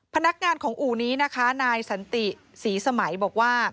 พนักงานของอู่นี้นะคะนายสันติศรีสมัยบอกว่า